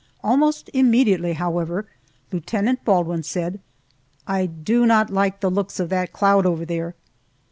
Almost immediately, however, Lieutenant Baldwin said, "I do not like the looks of that cloud over there!"